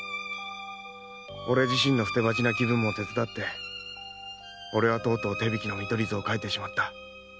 俺自身の捨て鉢な気分も手伝って俺はとうとう手引きの見取り図を書いてしまった」